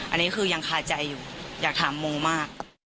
อันนี้คือยังคาใจอยู่อยากถามโมมาก